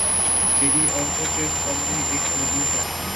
میرے آنکھوں کو سامنے ایک ندی ہے